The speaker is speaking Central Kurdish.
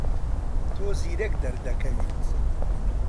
تۆ زیرەک دەردەکەویت.